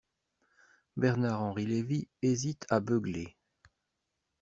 Bernard-Henri Lévy hésite à beugler.